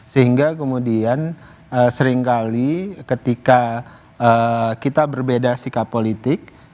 sehingga kemudian seringkali ketika kita berbeda sikap politik